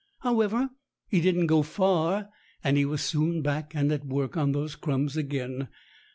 However, he didn't go far, and he was soon back and at work on those crumbs again.